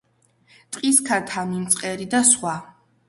ტყის ქათამი, მწყერი და სხვა.